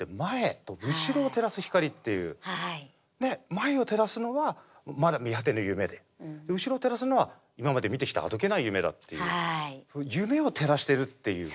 前を照らすのはまだ見果てぬ夢で後ろを照らすのは今まで見てきたあどけない夢だっていう夢を照らしてるっていう。